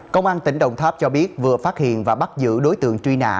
công an tỉnh đồng tháp cho biết vừa phát hiện và bắt giữ đối tượng truy nã